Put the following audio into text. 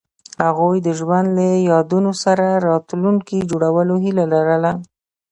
هغوی د ژوند له یادونو سره راتلونکی جوړولو هیله لرله.